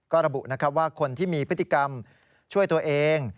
ก็ระบุนะครับว่าคนที่มีพฤติกรรมช่วยตัวเอง